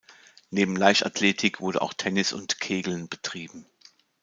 Neben Leichtathletik wurde auch Tennis und Kegeln betrieben.